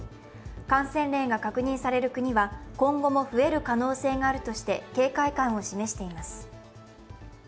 感染例が確認される国は今後も増える可能性があるとして警戒感を示しています。